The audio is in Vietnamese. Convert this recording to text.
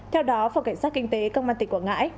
theo đó phòng cảnh sát kinh tế công an tỉnh quảng ngãi